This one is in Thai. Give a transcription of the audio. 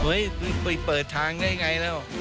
เฮ้ยจะไปเปิดทางได้อย่างไรแล้ว